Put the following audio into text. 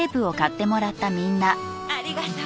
ありがとう。